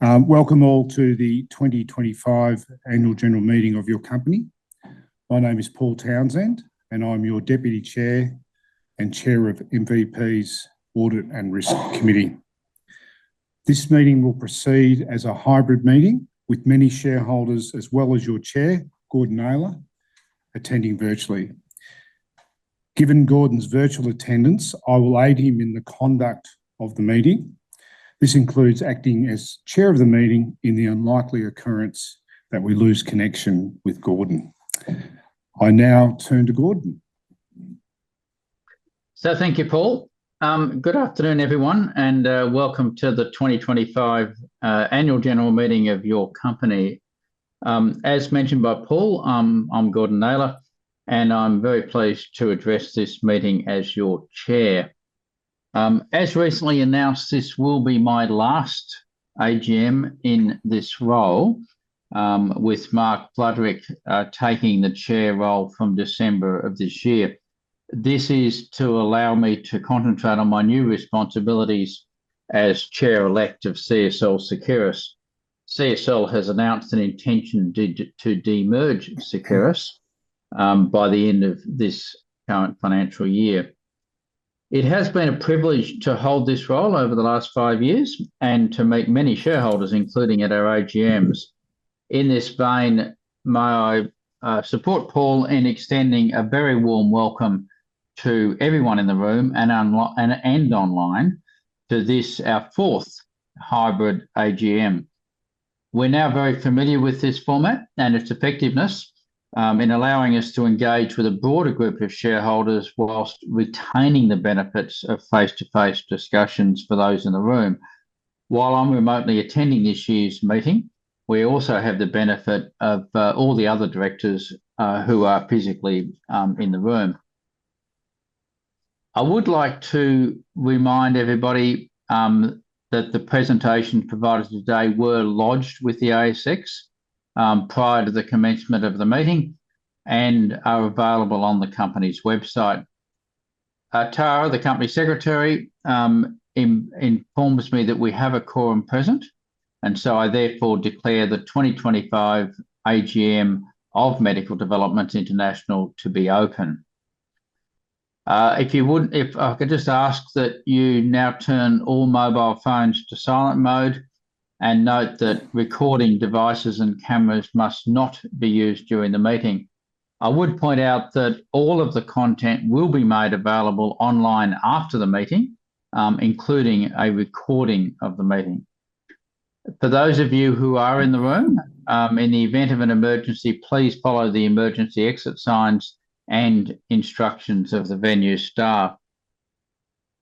Welcome all to the 2025 Annual General Meeting of your company. My name is Paul Townsend, and I'm your Deputy Chair and Chair of MVP's Audit and Risk Committee. This meeting will proceed as a hybrid meeting, with many shareholders, as well as your Chair, Gordon Naylor, attending virtually. Given Gordon's virtual attendance, I will aid him in the conduct of the meeting. This includes acting as Chair of the meeting in the unlikely occurrence that we lose connection with Gordon. I now turn to Gordon. Thank you, Paul. Good afternoon, everyone, and welcome to the 2025 Annual General Meeting of your company. As mentioned by Paul, I'm Gordon Naylor, and I'm very pleased to address this meeting as your Chair. As recently announced, this will be my last AGM in this role, with Mark Fladrich taking the Chair role from December of this year. This is to allow me to concentrate on my new responsibilities as Chair-elect of CSL Seqirus. CSL has announced an intention to demerge Seqirus by the end of this current financial year. It has been a privilege to hold this role over the last five years and to meet many shareholders, including at our AGMs. In this vein, may I support Paul in extending a very warm welcome to everyone in the room and online to this, our fourth hybrid AGM. We're now very familiar with this format and its effectiveness in allowing us to engage with a broader group of shareholders whilst retaining the benefits of face-to-face discussions for those in the room. While I'm remotely attending this year's meeting, we also have the benefit of all the other directors who are physically in the room. I would like to remind everybody that the presentation provided today were lodged with the ASX prior to the commencement of the meeting and are available on the company's website. Tara, the company secretary, informs me that we have a quorum present, so I therefore declare the 2025 AGM of Medical Developments International to be open. If I could just ask that you now turn all mobile phones to silent mode, and note that recording devices and cameras must not be used during the meeting. I would point out that all of the content will be made available online after the meeting, including a recording of the meeting. For those of you who are in the room, in the event of an emergency, please follow the emergency exit signs and instructions of the venue staff.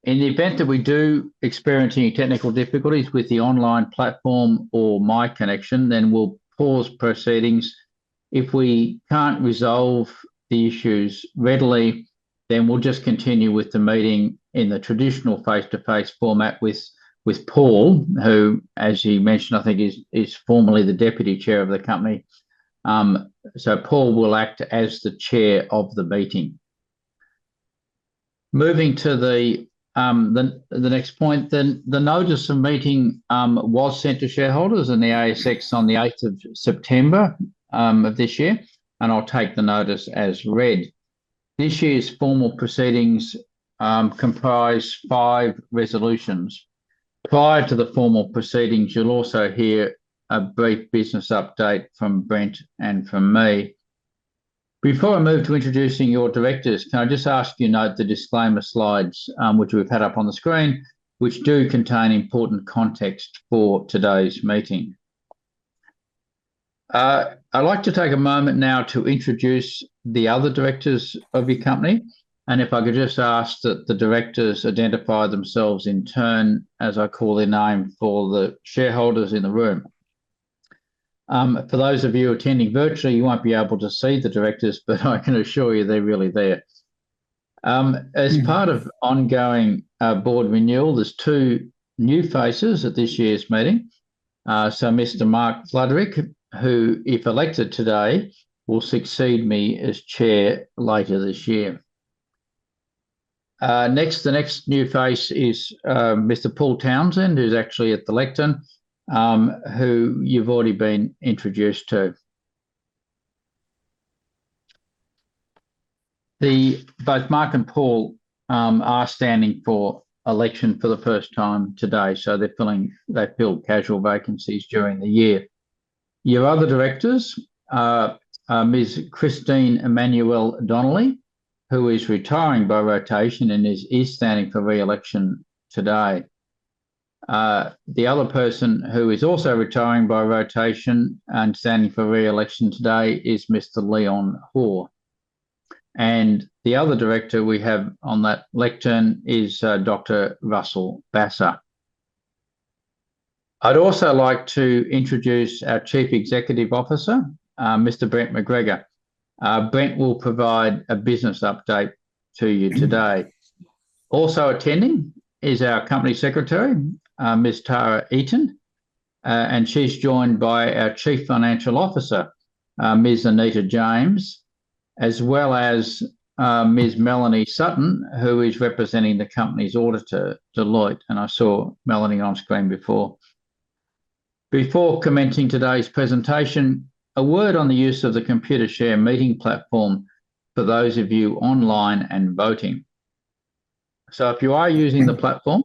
In the event that we do experience any technical difficulties with the online platform or my connection, then we'll pause proceedings. If we can't resolve the issues readily, then we'll just continue with the meeting in the traditional face-to-face format with, with Paul, who, as he mentioned, I think is, is formally the Deputy Chair of the company. Paul will act as the chair of the meeting. Moving to the next point, then, the notice of meeting was sent to shareholders and the ASX on the 8th of September of this year, I'll take the notice as read. This year's formal proceedings comprise five resolutions. Prior to the formal proceedings, you'll also hear a brief business update from Brent and from me. Before I move to introducing your directors, can I just ask you to note the disclaimer slides, which we've had up on the screen, which do contain important context for today's meeting? I'd like to take a moment now to introduce the other directors of your company, if I could just ask that the directors identify themselves in turn, as I call their name for the shareholders in the room. For those of you attending virtually, you won't be able to see the directors, I can assure you they're really there. As part of ongoing board renewal, there's 2 new faces at this year's meeting. Mr. Mark Fladrich, who, if elected today, will succeed me as chair later this year. The next new face is Mr. Paul Townsend, who's actually at the lectern, who you've already been introduced to. Both Mark and Paul are standing for election for the first time today, they fill casual vacancies during the year. Your other directors is Christine Emmanuel-Donnelly, who is retiring by rotation and is, is standing for re-election today. The other person who is also retiring by rotation and standing for re-election today is Mr. Leon Hoare. The other director we have on that lectern is Dr Russell Basser. I'd also like to introduce our Chief Executive Officer, Mr Brent MacGregor. Brent will provide a business update to you today. Also attending is our Company Secretary, Ms. Tara Eaton, and she's joined by our Chief Financial Officer, Ms. Anita James. As well as, Ms. Melanie Sutton, who is representing the company's auditor, Deloitte, and I saw Melanie on screen before. Before commencing today's presentation, a word on the use of the Computershare meeting platform for those of you online and voting. If you are using the platform,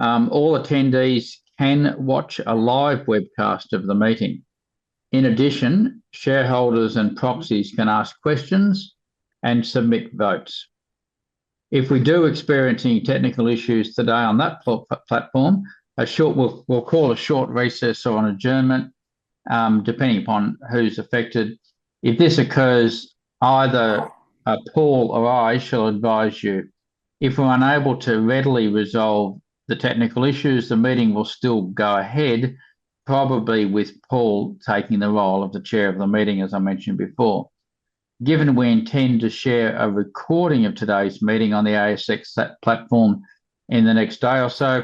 all attendees can watch a live webcast of the meeting. In addition, shareholders and proxies can ask questions and submit votes. If we do experience any technical issues today on that platform, we'll call a short recess or an adjournment, depending upon who's affected. If this occurs, either, Paul or I shall advise you. If we're unable to readily resolve the technical issues, the meeting will still go ahead, probably with Paul taking the role of the chair of the meeting, as I mentioned before. Given we intend to share a recording of today's meeting on the ASX platform in the next day or so,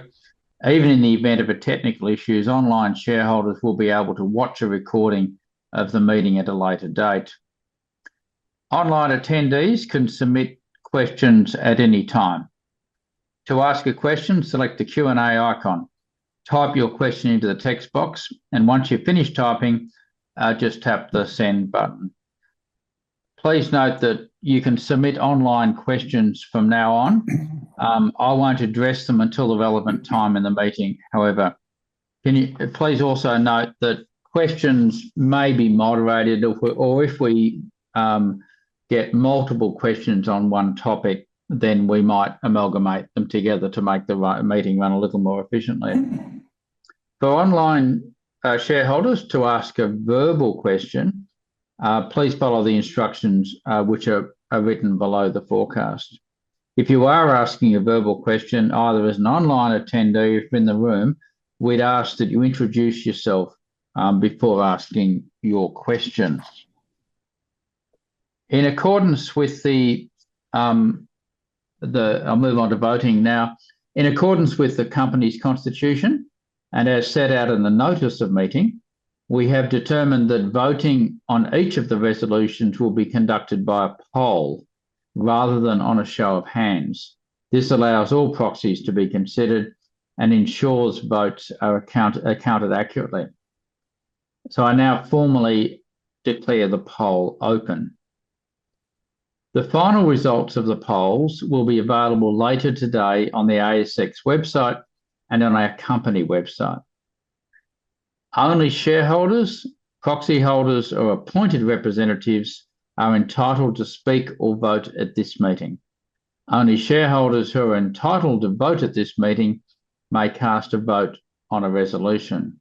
even in the event of a technical issues, online shareholders will be able to watch a recording of the meeting at a later date. Online attendees can submit questions at any time. To ask a question, select the Q&A icon, type your question into the text box, and once you've finished typing, just tap the Send button. Please note that you can submit online questions from now on. I won't address them until the relevant time in the meeting, however. Please also note that questions may be moderated, or if we, or if we get multiple questions on one topic, then we might amalgamate them together to make the meeting run a little more efficiently. For online shareholders, to ask a verbal question, please follow the instructions, which are written below the forecast. If you are asking a verbal question, either as an online attendee or in the room, we'd ask that you introduce yourself before asking your question. In accordance with the, I'll move on to voting now. In accordance with the company's constitution, and as set out in the notice of meeting, we have determined that voting on each of the resolutions will be conducted by a poll, rather than on a show of hands. This allows all proxies to be considered and ensures votes are counted accurately. I now formally declare the poll open. The final results of the polls will be available later today on the ASX website and on our company website. Only shareholders, proxy holders, or appointed representatives are entitled to speak or vote at this meeting. Only shareholders who are entitled to vote at this meeting may cast a vote on a resolution.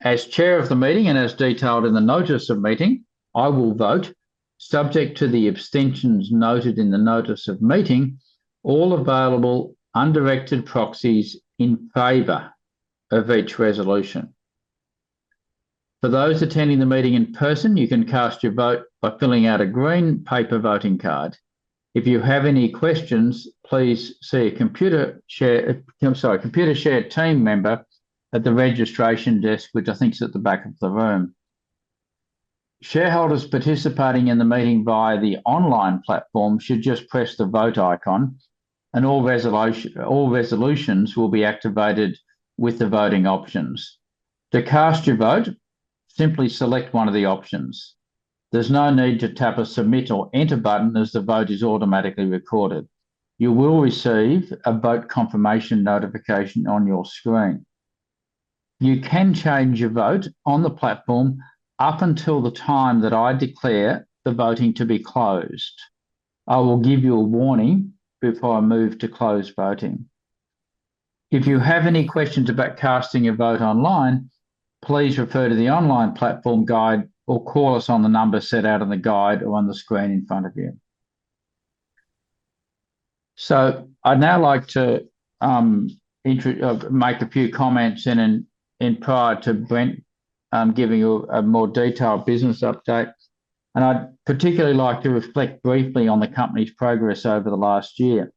As chair of the meeting and as detailed in the notice of meeting, I will vote, subject to the abstentions noted in the notice of meeting, all available undirected proxies in favor of each resolution. For those attending the meeting in person, you can cast your vote by filling out a green paper voting card. If you have any questions, please see a Computershare, sorry, Computershare team member at the registration desk, which I think is at the back of the room. Shareholders participating in the meeting via the online platform should just press the Vote icon, and all resolutions will be activated with the voting options. To cast your vote, simply select one of the options. There's no need to tap a Submit or Enter button, as the vote is automatically recorded. You will receive a vote confirmation notification on your screen. You can change your vote on the platform up until the time that I declare the voting to be closed. I will give you a warning before I move to close voting. If you have any questions about casting your vote online, please refer to the online platform guide or call us on the number set out on the guide or on the screen in front of you. I'd now like to make a few comments in, and prior to Brent giving you a more detailed business update, and I'd particularly like to reflect briefly on the company's progress over the last year.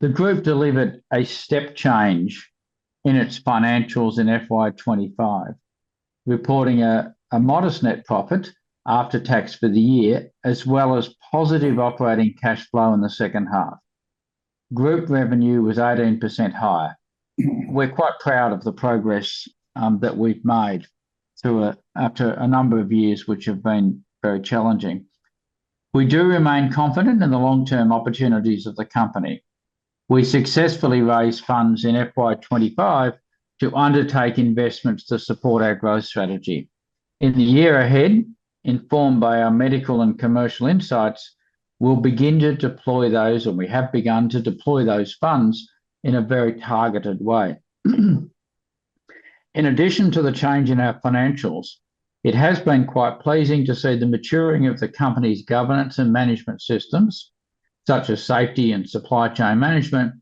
The group delivered a step change in its financials in FY 25, reporting a modest net profit after tax for the year, as well as positive operating cash flow in the second half. Group revenue was 18% higher. We're quite proud of the progress that we've made after a number of years, which have been very challenging. We do remain confident in the long-term opportunities of the company. We successfully raised funds in FY 2025 to undertake investments to support our growth strategy. In the year ahead, informed by our medical and commercial insights, we'll begin to deploy those, and we have begun to deploy those funds in a very targeted way. In addition to the change in our financials, it has been quite pleasing to see the maturing of the company's governance and management systems, such as safety and supply chain management,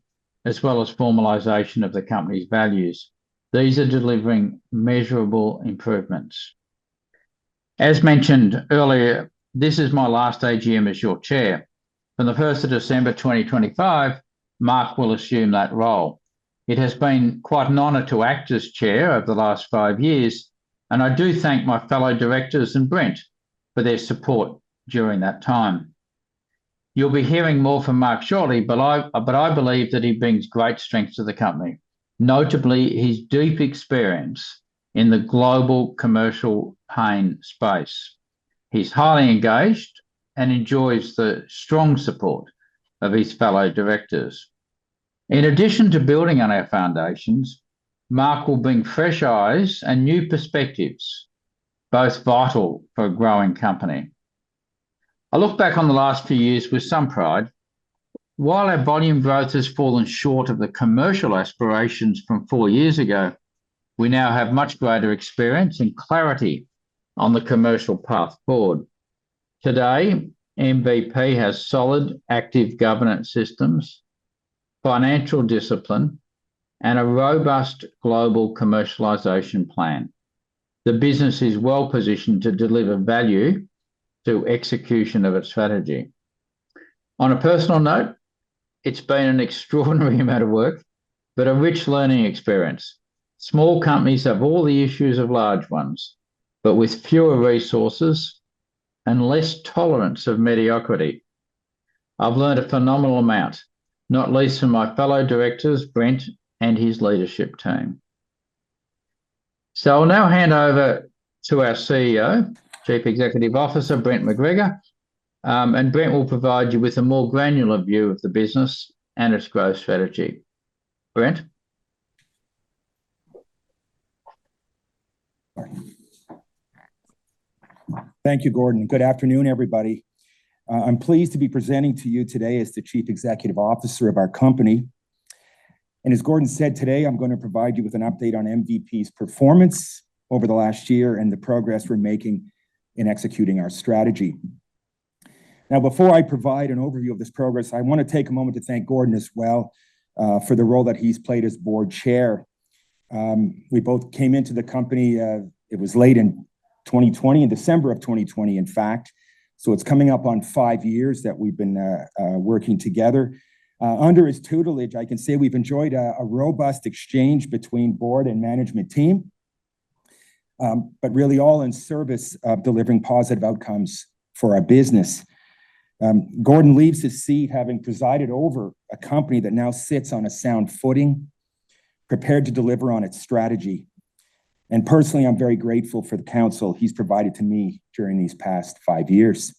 as well as formalization of the company's values. These are delivering measurable improvements. As mentioned earlier, this is my last AGM as your chair. From the 1st of December 2025, Mark will assume that role. It has been quite an honor to act as chair over the last five years, and I do thank my fellow directors and Brent for their support during that time. You'll be hearing more from Mark shortly, but I believe that he brings great strength to the company, notably his deep experience in the global commercial pain space. He's highly engaged and enjoys the strong support of his fellow directors. In addition to building on our foundations, Mark will bring fresh eyes and new perspectives, both vital for a growing company. I look back on the last few years with some pride. While our volume growth has fallen short of the commercial aspirations from four years ago, we now have much greater experience and clarity on the commercial path forward. Today, MVP has solid active governance systems, financial discipline, and a robust global commercialization plan. The business is well-positioned to deliver value through execution of its strategy. On a personal note, it's been an extraordinary amount of work, but a rich learning experience. Small companies have all the issues of large ones, but with fewer resources and less tolerance of mediocrity. I've learned a phenomenal amount, not least from my fellow directors, Brent, and his leadership team. I'll now hand over to our CEO, Chief Executive Officer, Brent MacGregor, and Brent will provide you with a more granular view of the business and its growth strategy. Brent? Thank you, Gordon. Good afternoon, everybody. I'm pleased to be presenting to you today as the Chief Executive Officer of our company. As Gordon said, today I'm gonna provide you with an update on MVP's performance over the last year and the progress we're making in executing our strategy. Now, before I provide an overview of this progress, I wanna take a moment to thank Gordon as well, for the role that he's played as Board Chair. We both came into the company, it was late in 2020, in December of 2020, in fact, so it's coming up on 5 years that we've been working together. Under his tutelage, I can say we've enjoyed a robust exchange between Board and management team, but really all in service of delivering positive outcomes for our business. Gordon leaves his seat having presided over a company that now sits on a sound footing, prepared to deliver on its strategy. Personally, I'm very grateful for the counsel he's provided to me during these past five years.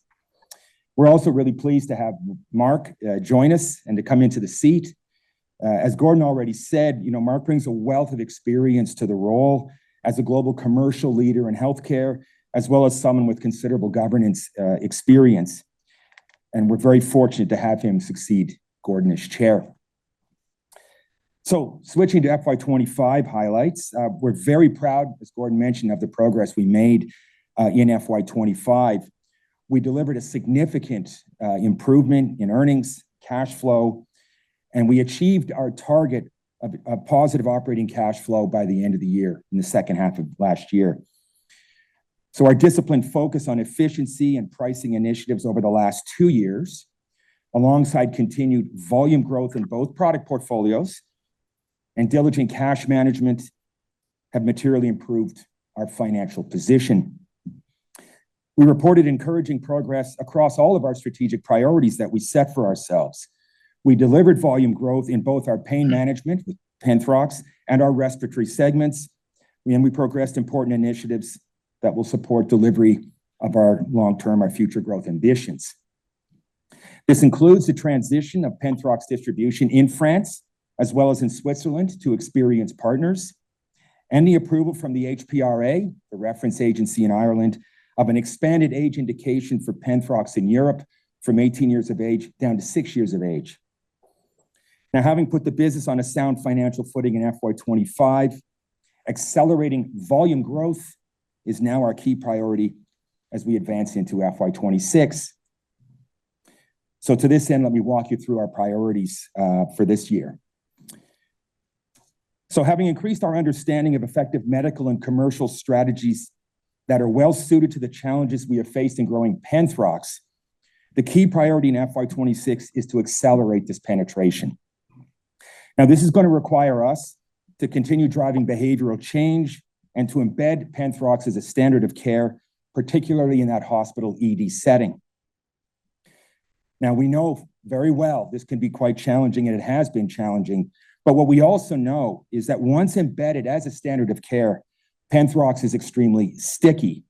We're also really pleased to have Mark join us and to come into the seat. As Gordon already said, you know, Mark brings a wealth of experience to the role as a global commercial leader in healthcare, as well as someone with considerable governance experience, and we're very fortunate to have him succeed Gordon as chair. Switching to FY 2025 highlights. We're very proud, as Gordon mentioned, of the progress we made in FY 2025. We delivered a significant improvement in earnings, cash flow, and we achieved our target of positive operating cash flow by the end of the year, in the second half of last year. Our disciplined focus on efficiency and pricing initiatives over the last two years, alongside continued volume growth in both product portfolios and diligent cash management, have materially improved our financial position. We reported encouraging progress across all of our strategic priorities that we set for ourselves. We delivered volume growth in both our pain management with Penthrox and our respiratory segments, and we progressed important initiatives that will support delivery of our long-term, our future growth ambitions. This includes the transition of Penthrox distribution in France, as well as in Switzerland, to experienced partners, and the approval from the HPRA, the reference agency in Ireland, of an expanded age indication for Penthrox in Europe from 18 years of age down to 6 years of age. Having put the business on a sound financial footing in FY 2025, accelerating volume growth is now our key priority as we advance into FY 2026. To this end, let me walk you through our priorities for this year. Having increased our understanding of effective medical and commercial strategies that are well suited to the challenges we have faced in growing Penthrox, the key priority in FY 2026 is to accelerate this penetration. This is gonna require us to continue driving behavioral change and to embed Penthrox as a standard of care, particularly in that hospital ED setting. We know very well this can be quite challenging, and it has been challenging. What we also know is that once embedded as a standard of care, Penthrox is extremely sticky.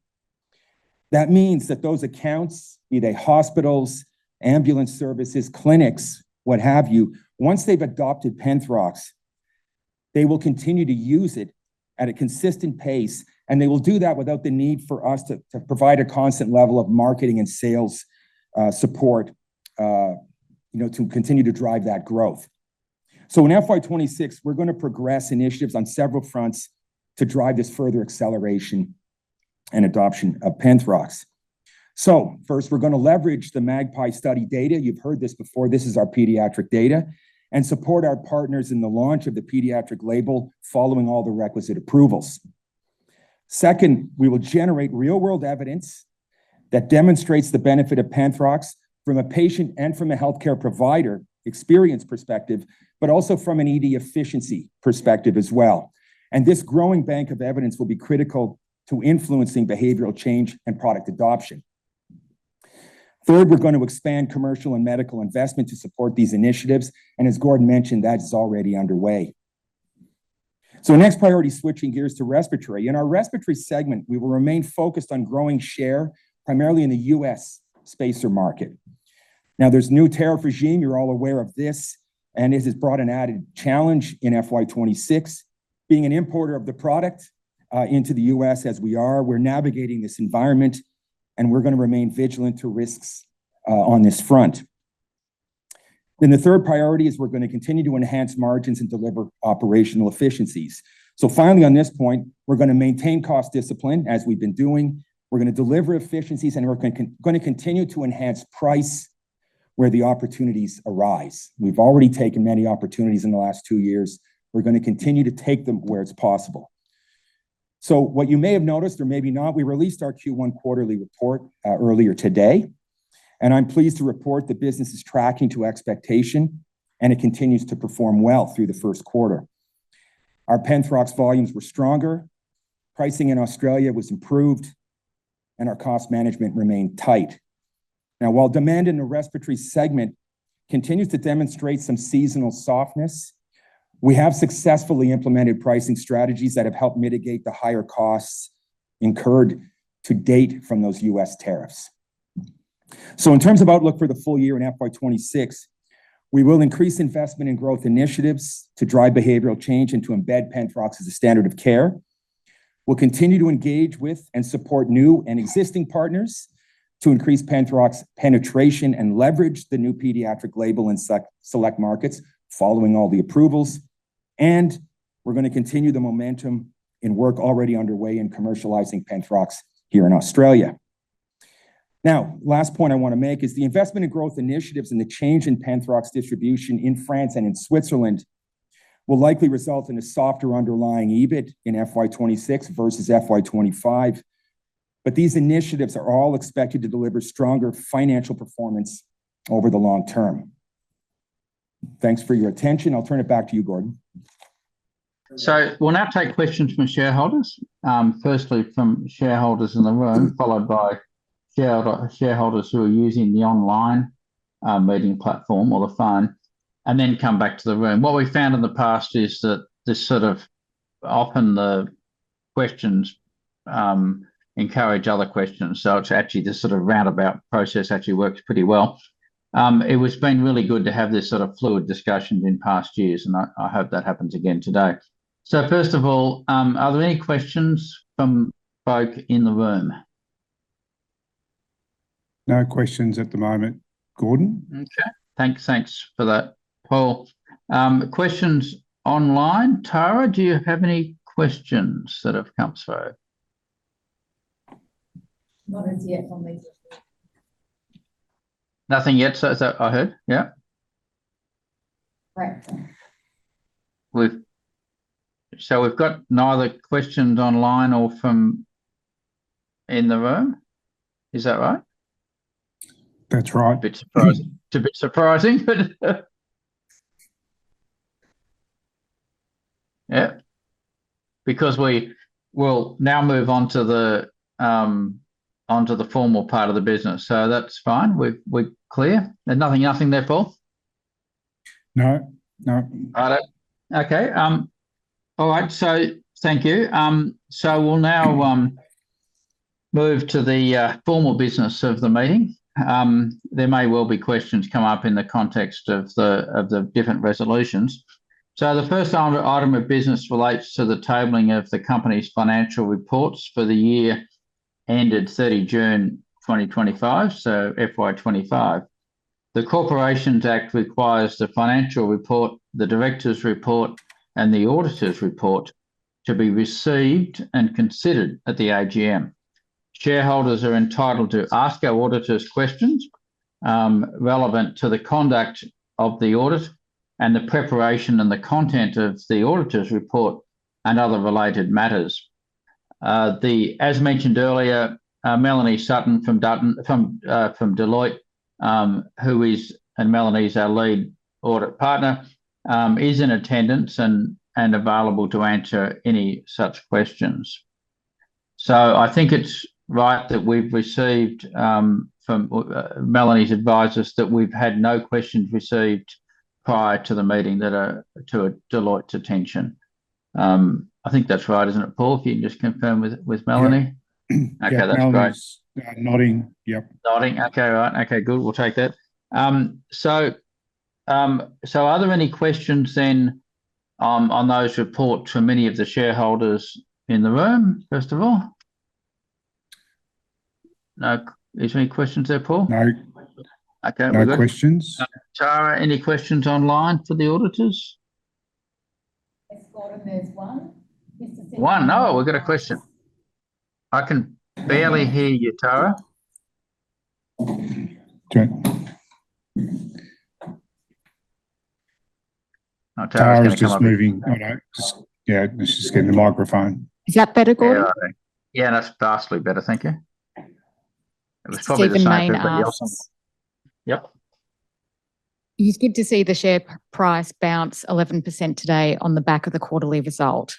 That means that those accounts, be they hospitals, ambulance services, clinics, what have you, once they've adopted Penthrox, they will continue to use it at a consistent pace, and they will do that without the need for us to, to provide a constant level of marketing and sales support, you know, to continue to drive that growth. In FY 2026, we're gonna progress initiatives on several fronts to drive this further acceleration and adoption of Penthrox. First, we're gonna leverage the MAGPIE study data. You've heard this before, this is our pediatric data. Support our partners in the launch of the pediatric label following all the requisite approvals. Second, we will generate real-world evidence that demonstrates the benefit of Penthrox from a patient and from a healthcare provider experience perspective. Also from an ED efficiency perspective as well. This growing bank of evidence will be critical to influencing behavioral change and product adoption. Third, we're going to expand commercial and medical investment to support these initiatives. As Gordon mentioned, that is already underway. Next priority, switching gears to respiratory. In our respiratory segment, we will remain focused on growing share, primarily in the U.S. spacer market. Now, there's new tariff regime, you're all aware of this. This has brought an added challenge in FY 2026. Being an importer of the product into the US as we are, we're navigating this environment, we're going to remain vigilant to risks on this front. The third priority is we're going to continue to enhance margins and deliver operational efficiencies. Finally, on this point, we're going to maintain cost discipline, as we've been doing. We're going to deliver efficiencies, and we're going to continue to enhance price where the opportunities arise. We've already taken many opportunities in the last two years. We're going to continue to take them where it's possible. What you may have noticed, or maybe not, we released our Q1 quarterly report earlier today, and I'm pleased to report the business is tracking to expectation, and it continues to perform well through the first quarter. Our Penthrox volumes were stronger, pricing in Australia was improved, and our cost management remained tight. Now, while demand in the respiratory segment continues to demonstrate some seasonal softness, we have successfully implemented pricing strategies that have helped mitigate the higher costs incurred to date from those U.S. tariffs. In terms of outlook for the full year in FY 2026, we will increase investment in growth initiatives to drive behavioral change and to embed Penthrox as a standard of care. We'll continue to engage with and support new and existing partners to increase Penthrox penetration and leverage the new pediatric label in select markets following all the approvals, and we're going to continue the momentum and work already underway in commercializing Penthrox here in Australia. Now, last point I want to make is the investment in growth initiatives and the change in Penthrox distribution in France and in Switzerland will likely result in a softer underlying EBIT in FY 2026 versus FY 2025. These initiatives are all expected to deliver stronger financial performance over the long term. Thanks for your attention. I'll turn it back to you, Gordon. We'll now take questions from shareholders. Firstly from shareholders in the room, followed by shareholders who are using the online meeting platform or the phone, and then come back to the room. What we found in the past is that this sort of... often the questions encourage other questions, so it's actually this sort of roundabout process actually works pretty well. It has been really good to have this sort of fluid discussions in past years, and I, I hope that happens again today. First of all, are there any questions from folk in the room? No questions at the moment, Gordon. Okay, thanks. Thanks for that, Paul. Questions online. Tara, do you have any questions that have come through? Not as yet on these. Nothing yet, so is that I heard? Yeah. Right. We've got no other questions online or from in the room. Is that right? That's right. Bit surprising. It's a bit surprising, yeah, because we will now move on to the on to the formal part of the business. That's fine. We're clear. There's nothing, nothing there, Paul? No. No. Got it. Okay, all right, thank you. We'll now move to the formal business of the meeting. There may well be questions come up in the context of the different resolutions. The first item, item of business relates to the tabling of the company's financial reports for the year ended 30 June 2025, so FY 2025. The Corporations Act requires the financial report, the directors' report, and the auditors' report to be received and considered at the AGM. Shareholders are entitled to ask our auditors questions relevant to the conduct of the audit and the preparation and the content of the auditors' report and other related matters. The, as mentioned earlier, Melanie Sutton from Deloitte, who is, and Melanie's our lead audit partner, is in attendance and available to answer any such questions. I think it's right that we've received from Melanie's advised us that we've had no questions received prior to the meeting that are to Deloitte's attention. I think that's right, isn't it, Paul? If you can just confirm with Melanie. Yeah. Okay, that's great. Melanie's nodding. Yep. Nodding. Okay, right. Okay, good, we'll take that. Are there any questions then, on those reports from any of the shareholders in the room, first of all? No, there's any questions there, Paul? No. Okay, we're good. No questions. Tara, any questions online for the auditors? Yes, Gordon, there's one. One? Oh, we've got a question. I can barely hear you, Tara. Okay. Tara's just moving, you know, just, yeah, let's just get the microphone. Is that better, Gordon? Yeah, that's vastly better, thank you. Stephen Mayne asks- Yep. It's good to see the share price bounce 11% today on the back of the quarterly result.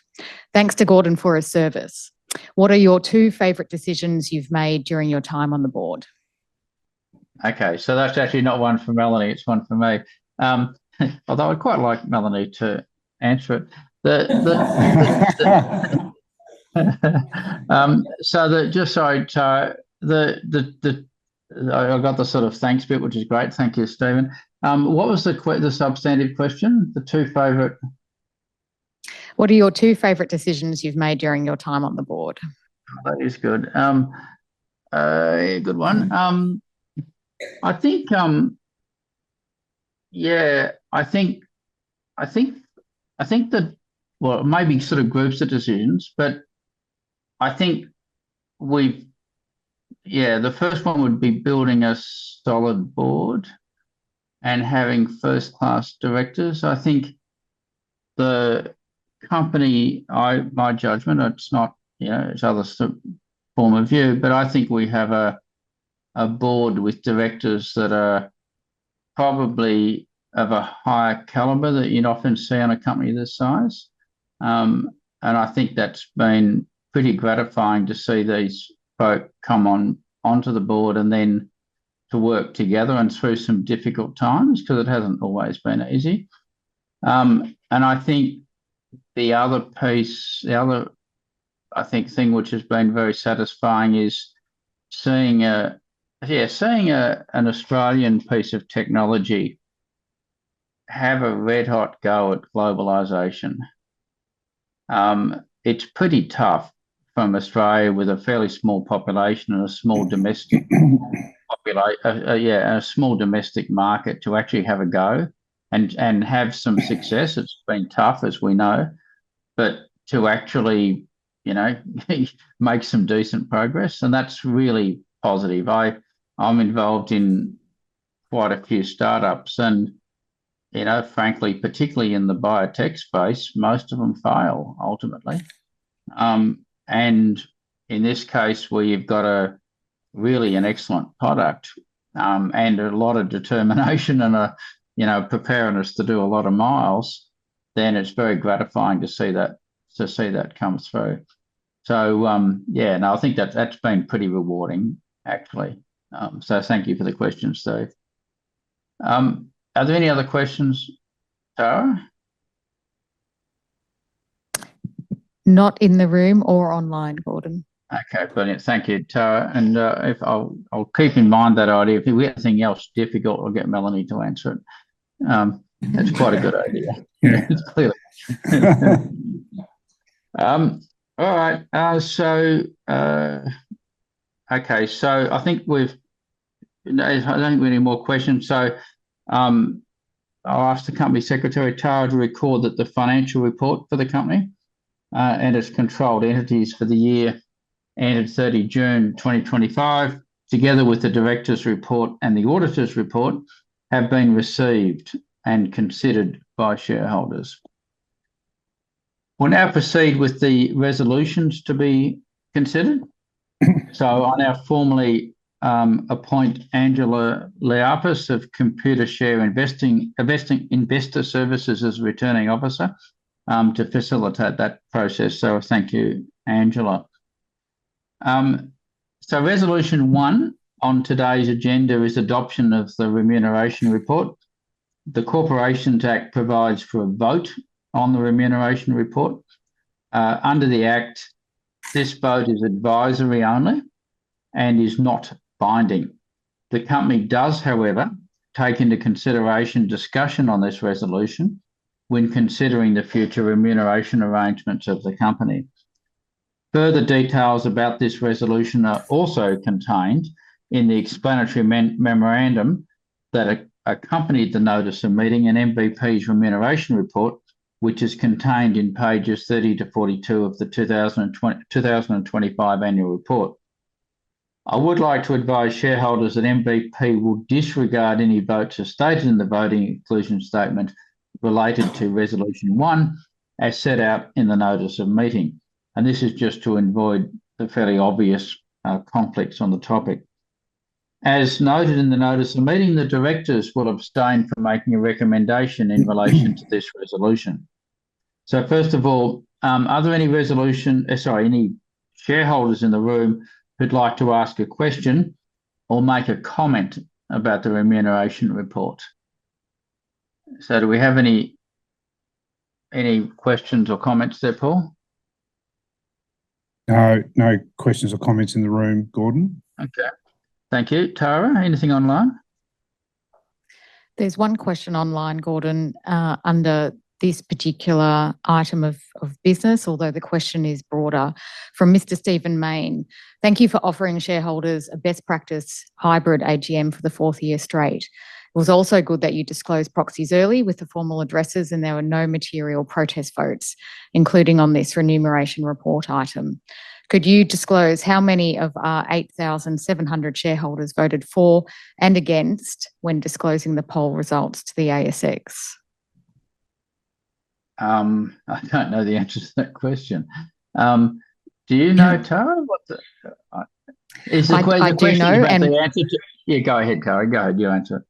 Thanks to Gordon for his service. What are your two favorite decisions you've made during your time on the board? Okay, so that's actually not one for Melanie, it's one for me. Although I'd quite like Melanie to answer it. Just so, Tara, I got the sort of thanks bit, which is great. Thank you, Stephen. What was the substantive question? The two favorite? What are your 2 favorite decisions you've made during your time on the board? That is good. Good one. I think, yeah, I think, I think, I think that, well, it may be sort of groups of decisions, but I think we've. Yeah, the first one would be building a solid board and having first-class directors. I think the company, I, my judgment, it's not, you know, it's other form of view, but I think we have a, a board with directors that are probably of a higher caliber than you'd often see on a company this size. I think that's been pretty gratifying to see these folk come on, onto the board, and then to work together and through some difficult times, 'cause it hasn't always been easy. I think the other piece, the other, I think, thing which has been very satisfying is seeing a, yeah, seeing a, an Australian piece of technology have a red-hot go at globalization. It's pretty tough from Australia, with a fairly small population and a small domestic- -popula... yeah, a small domestic market, to actually have a go and, and have some success. It's been tough, as we know, but to actually, you know, make some decent progress, and that's really positive. I'm involved in quite a few start-ups and, you know, frankly, particularly in the biotech space, most of them fail ultimately. In this case, where you've got a really an excellent product, and a lot of determination and a, you know, preparedness to do a lot of miles, then it's very gratifying to see that, to see that come through. Yeah, no, I think that's, that's been pretty rewarding actually. Thank you for the question, Steve. Are there any other questions, Tara? Not in the room or online, Gordon. Okay, brilliant. Thank you, Tara, if I'll, I'll keep in mind that idea. If we have anything else difficult, I'll get Melanie to answer it. That's quite a good idea. It's clear. All right. Okay, I think we've, I don't think we need more questions. I'll ask the Company Secretary, Tara, to record that the financial report for the company and its controlled entities for the year ended 30 June 2025, together with the directors' report and the auditors' report, have been received and considered by shareholders. We'll now proceed with the resolutions to be considered. I now formally appoint Angela Liapis of Computershare Investor Services as Returning Officer to facilitate that process. Thank you, Angela. Resolution one on today's agenda is adoption of the remuneration report. The Corporations Act provides for a vote on the remuneration report. Under the Act, this vote is advisory only and is not binding. The company does, however, take into consideration discussion on this resolution when considering the future remuneration arrangements of the company. Further details about this resolution are also contained in the explanatory memorandum that accompanied the notice of meeting, and MVP's remuneration report, which is contained in pages 30 to 42 of the 2020, 2025 annual report. I would like to advise shareholders that MVP will disregard any votes as stated in the voting inclusion statement related to resolution 1, as set out in the notice of meeting, and this is just to avoid the fairly obvious conflicts on the topic. As noted in the notice of the meeting, the directors will abstain from making a recommendation in relation to this resolution. first of all, are there any resolution, sorry, any shareholders in the room who'd like to ask a question or make a comment about the remuneration report? Do we have any, any questions or comments there, Paul? No, no questions or comments in the room, Gordon. Okay. Thank you. Tara, anything online? There's one question online, Gordon, under this particular item of business, although the question is broader, from Mr Stephen Mayne: Thank you for offering shareholders a best practice hybrid AGM for the fourth year straight. It was also good that you disclosed proxies early with the formal addresses, and there were no material protest votes, including on this remuneration report item. Could you disclose how many of our 8,700 shareholders voted for and against when disclosing the poll results to the ASX? I don't know the answer to that question. Do you know, Tara? What's it- I do know. It's a question, but the answer to... Yeah, go ahead, Tara. Go ahead, you answer it.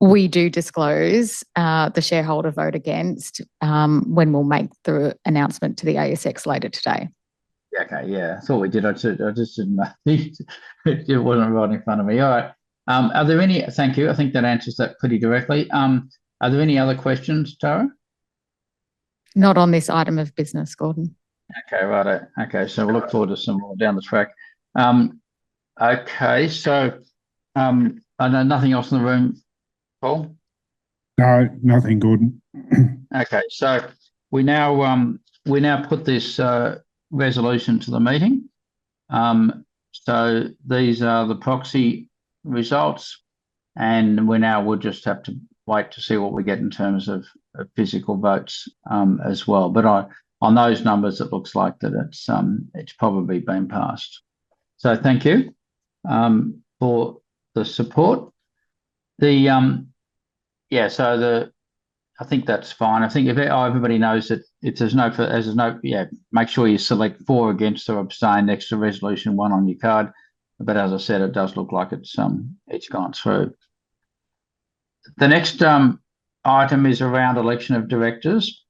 We do disclose, the shareholder vote against, when we'll make the announcement to the ASX later today. Okay. Yeah, I thought we did. I just, I just didn't know. It wasn't right in front of me. All right. Are there any? Thank you. I think that answers that pretty directly. Are there any other questions, Tara? Not on this item of business, Gordon. Okay, righto. Okay, so we'll look forward to some more down the track. Okay, then nothing else in the room, Paul? No, nothing, Gordon. We now, we now put this resolution to the meeting. These are the proxy results, and we now will just have to wait to see what we get in terms of, of physical votes as well. On those numbers, it looks like that it's, it's probably been passed. Thank you for the support. I think that's fine. I think every everybody knows that it's there's no make sure you select for, against, or abstain next to resolution 1 on your card. As I said, it does look like it's, it's gone through. The next item is around election of directors,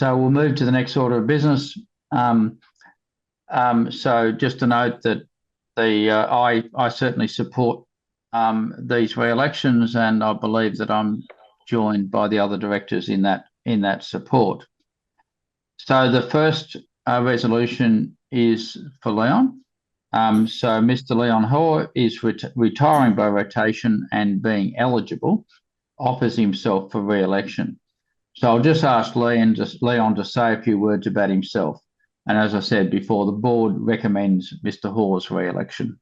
we'll move to the next order of business. Just to note that the, I, I certainly support these re-elections, and I believe that I'm joined by the other directors in that, in that support. The first resolution is for Leon. Mr. Leon Hoare is retiring by rotation and being eligible, offers himself for re-election. I'll just ask Leon, just Leon to say a few words about himself. As I said before, the board recommends Mr. Hoare's re-election.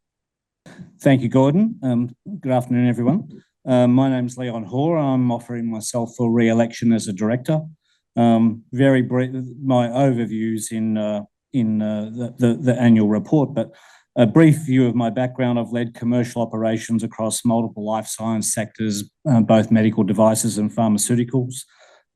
Thank you, Gordon. Good afternoon, everyone. My name is Leon Hoare. I'm offering myself for re-election as a director. Very brief, my overview is in the annual report, but a brief view of my background, I've led commercial operations across multiple life science sectors, both medical devices and pharmaceuticals.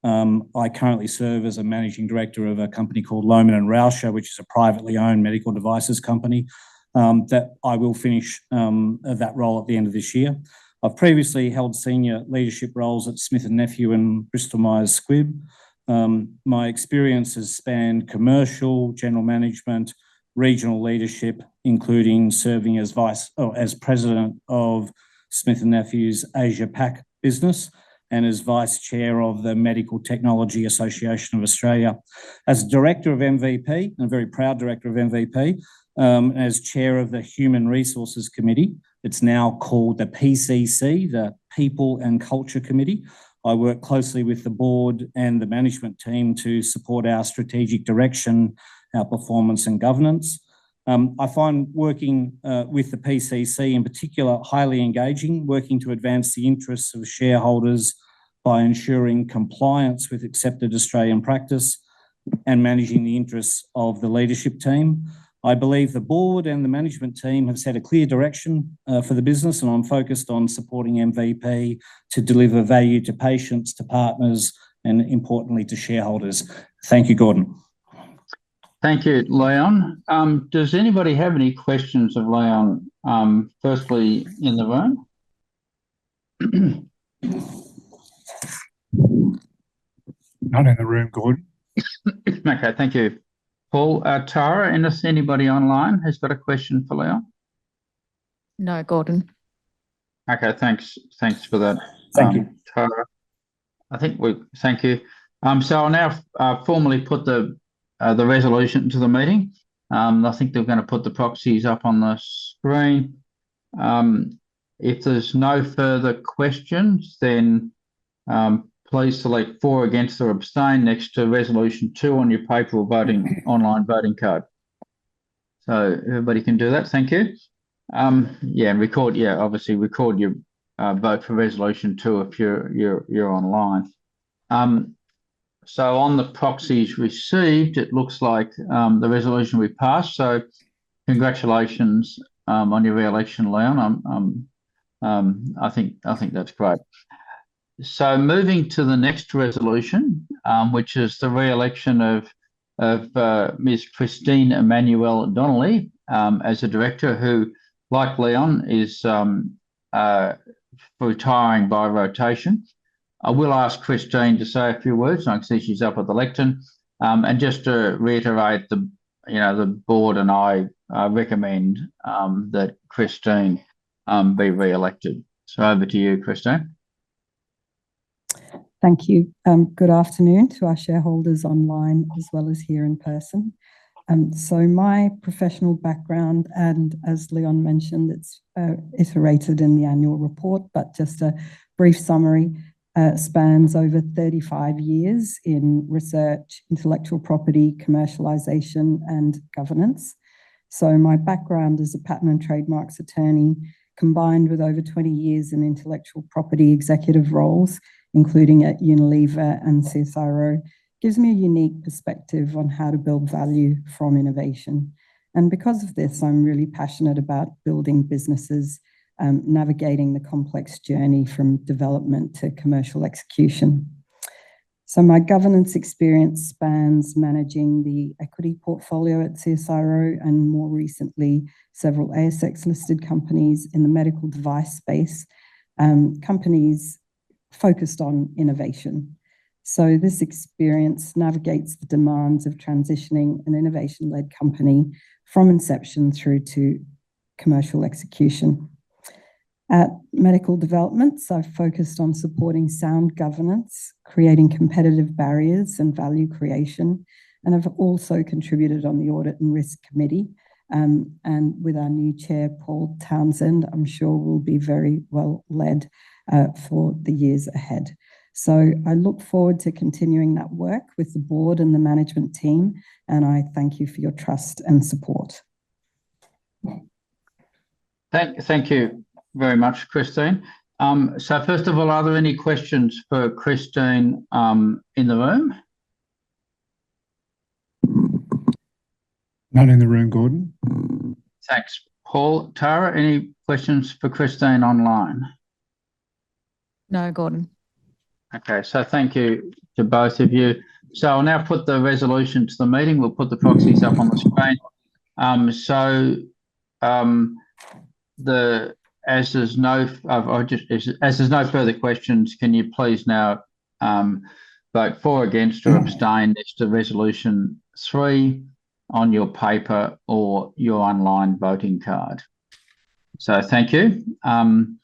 I currently serve as a managing director of a company called Lohmann & Rauscher, which is a privately owned medical devices company, that I will finish that role at the end of this year. I've previously held senior leadership roles at Smith & Nephew and Bristol-Myers Squibb. My experience has spanned commercial, general management, regional leadership, including serving as Vice, or as President of Smith & Nephew's Asia PAC business, and as Vice Chair of the Medical Technology Association of Australia. As Director of MVP, and a very proud director of MVP, as Chair of the Human Resources Committee, it's now called the PCC, the People and Culture Committee. I work closely with the board and the management team to support our strategic direction, our performance, and governance. I find working with the PCC, in particular, highly engaging, working to advance the interests of the shareholders by ensuring compliance with accepted Australian practice and managing the interests of the leadership team. I believe the board and the management team have set a clear direction for the business, and I'm focused on supporting MVP to deliver value to patients, to partners, and importantly, to shareholders. Thank you, Gordon. Thank you, Leon. Does anybody have any questions of Leon, firstly, in the room? Not in the room, Gordon. Okay. Thank you, Paul. Tara, and does anybody online who's got a question for Leon? No, Gordon. Okay, thanks. Thanks for that- Thank you.... Tara. I think we- thank you. I'll now formally put the resolution to the meeting. I think they're gonna put the proxies up on the screen. If there's no further questions, please select for, against, or abstain next to resolution 2 on your paper voting, online voting card. Everybody can do that. Thank you. Yeah, record, yeah, obviously, record your vote for resolution 2 if you're, you're, you're online. On the proxies received, it looks like the resolution we passed, congratulations on your re-election, Leon. I think, I think that's great. Moving to the next resolution, which is the re-election of Ms. Christine Emmanuel-Donnelly as a director, who, like Leon, is retiring by rotation. I will ask Christine to say a few words, and I can see she's up at the lectern. Just to reiterate, the, you know, the board and I, I recommend that Christine be re-elected. Over to you, Christine. Thank you. Good afternoon to our shareholders online, as well as here in person. My professional background, as Leon mentioned, it's iterated in the annual report, but just a brief summary, spans over 35 years in research, intellectual property, commercialization, and governance. My background as a patent and trademarks attorney, combined with over 20 years in intellectual property executive roles, including at Unilever and CSIRO, gives me a unique perspective on how to build value from innovation. I'm really passionate about building businesses, navigating the complex journey from development to commercial execution. My governance experience spans managing the equity portfolio at CSIRO, and more recently, several ASX-listed companies in the medical device space, companies focused on innovation. This experience navigates the demands of transitioning an innovation-led company from inception through to commercial execution. At Medical Developments, I've focused on supporting sound governance, creating competitive barriers and value creation. I've also contributed on the Audit and Risk Committee. With our new Chair, Paul Townsend, I'm sure we'll be very well led for the years ahead. I look forward to continuing that work with the board and the management team, and I thank you for your trust and support. Thank, thank you very much, Christine. First of all, are there any questions for Christine, in the room? None in the room, Gordon. Thanks, Paul. Tara, any questions for Christine online? No, Gordon. Okay. Thank you to both of you. I'll now put the resolution to the meeting. We'll put the proxies up on the screen. As there's no further questions, can you please now vote for, against, or abstain? It's the Resolution 3 on your paper or your online voting card. Thank you. And